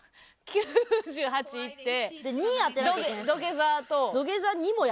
９８いって「土下座」と。